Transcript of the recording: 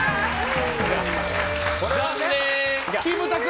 残念！